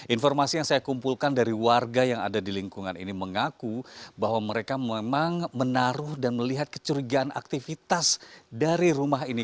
informasi yang saya kumpulkan dari warga yang ada di lingkungan ini mengaku bahwa mereka memang menaruh dan melihat kecurigaan aktivitas dari rumah ini